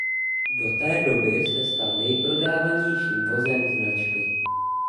Do té doby se stal nejprodávanějším vozem značky.